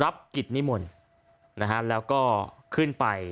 โปรดติดตามต่อไป